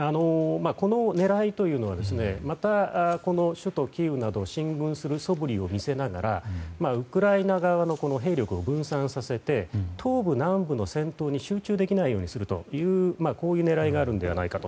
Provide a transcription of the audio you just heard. この狙いというのはまた、首都キーウなどに進軍するそぶりを見せながらウクライナ側の兵力を分散させて東部、南部の戦闘に集中できないようにするというこういう狙いがあるのではないかと。